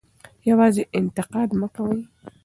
یوازې انتقاد مه کوئ.